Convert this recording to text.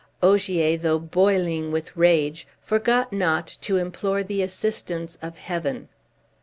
Ogier, though boiling with rage, forgot not to implore the assistance of Heaven.